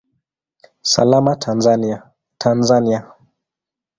Salama Tanzania, Tanzania!